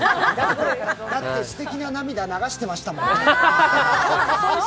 だって、すてきな涙流してましたもんね。